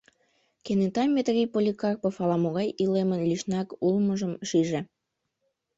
Кенета Метрий Поликарпов ала-могай илемын лишнак улмыжым шиже.